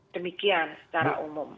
demikian secara umum